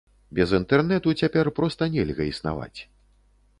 Без інтэрнэту цяпер проста нельга існаваць.